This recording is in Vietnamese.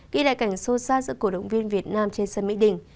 ghi lại cảnh sâu xa giữa cổ động viên việt nam trên sân mỹ đình